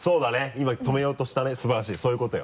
今止めようとしたね素晴らしいそういうことよ。